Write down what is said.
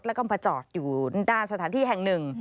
แล้วก็มาจอดอยู่ด้านสถานที่แห่งหนึ่ง